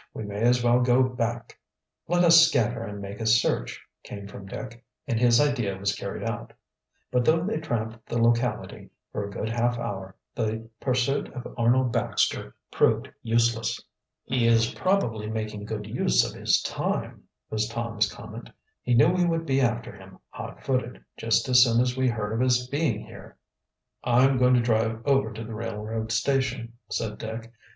"We may as well go back." "Let us scatter and make a search," came from Dick, and his idea was carried out. But though they tramped the locality for a good half hour the pursuit of Arnold Baxter proved useless. "He is probably making good use of his time," was Tom's comment. "He knew we would be after him hot footed, just as soon as we heard of his being here." "I'm going to drive over to the railroad station," said Dick.